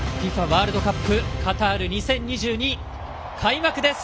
ＦＩＦＡワールドカップカタール２０２２、開幕です。